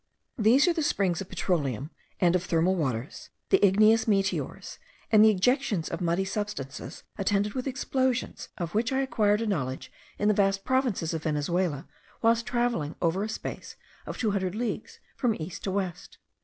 These are the springs of petroleum and of thermal waters, the igneous meteors, and the ejections of muddy substances attended with explosions, of which I acquired a knowledge in the vast provinces of Venezuela, whilst travelling over a space of two hundred leagues from east to west.